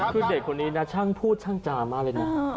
คือเด็กคนนี้นะช่างพูดช่างจามากเลยนะ